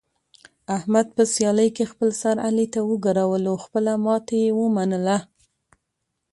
احمد په سیالۍ کې خپل سر علي ته وګرولو، خپله ماتې یې و منله.